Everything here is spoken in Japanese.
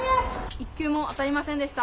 一球も当たりませんでした。